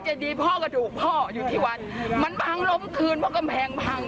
ดีพ่อกระดูกพ่ออยู่ที่วัดมันพังล้มคืนเพราะกำแพงพัง